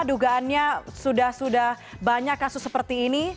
dugaannya sudah sudah banyak kasus seperti ini